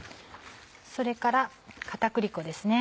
それから片栗粉ですね。